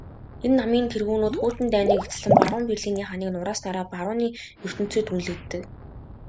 Энэ намын тэргүүнүүд хүйтэн дайныг эцэслэн баруун Берлиний ханыг нурааснаараа барууны ертөнцөд үнэлэгддэг.